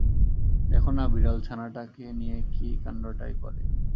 দেখো না বিড়ালছানাটাকে নিয়ে কী কাণ্ডটাই করে!